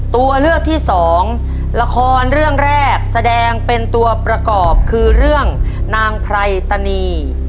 ตัวเลือกที่สองละครเรื่องแรกแสดงเป็นตัวประกอบคือเรื่องนางไพรตนี